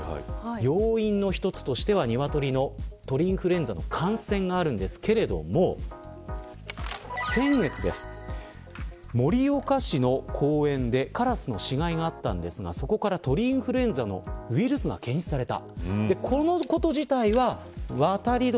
要因の１つとしてはニワトリの鳥インフルエンザの感染があるんですけれども先月、盛岡市の公園でカラスの死骸があったんですがそこから鳥インフルエンザのウイルスが検出された。